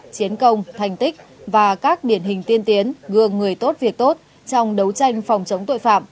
chiến công thành tích và các điển hình tiên tiến gương người tốt việc tốt trong đấu tranh phòng chống tội phạm